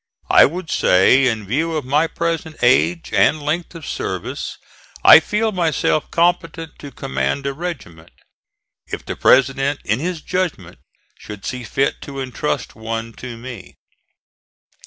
I would say, in view of my present age and length of service, I feel myself competent to command a regiment, if the President, in his judgment, should see fit to intrust one to me.